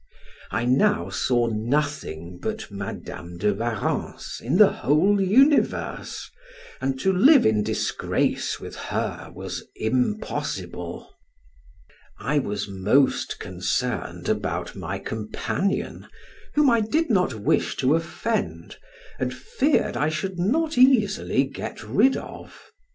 I now saw nothing but Madam de Warrens in the whole universe, and to live in disgrace with her was impossible. I was most concerned about my companion, whom I did not wish to offend, and feared I should not easily get rid of.